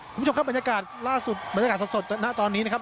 คุณผู้ชมครับบรรยากาศล่าสุดบรรยากาศสดณตอนนี้นะครับ